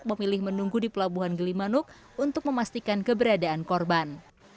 memilih menunggu di pelabuhan gilimanuk untuk memastikan keberadaan korban